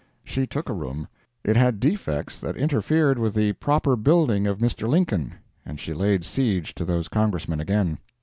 She took a room. It had defects that interfered with the proper building of Mr. Lincoln, and she laid siege to those Congressmen again.